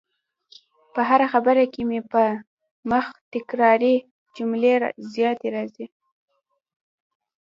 په هره برخه کي مي په مخ تکراري جملې زیاتې راځي